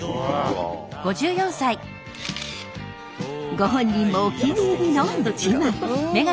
ご本人もお気に入りの一枚。